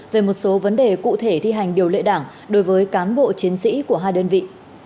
về một số vấn đề cụ thể thi hành điều lệ đảng đối với cán bộ chiến sĩ của hai đơn vị